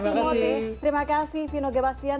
terima kasih terima kasih vino gebastian